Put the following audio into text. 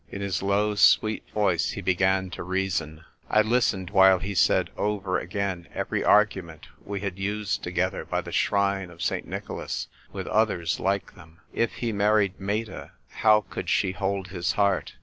In his low sweet voice he began to reason. I listened while he said over again every argument we had used together by the shrine of St. Nicholas, with others like them. If he married Meta, how could she hold his heart